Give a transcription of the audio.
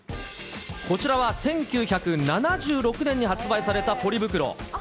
こちらは１９７６年に発売されたポリ袋。